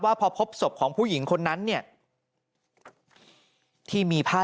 หลังจากพบศพผู้หญิงปริศนาตายตรงนี้ครับ